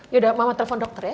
yaudah mama telepon dokter ya